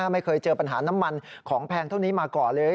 ไม่เคยเจอปัญหาน้ำมันของแพงเท่านี้มาก่อนเลย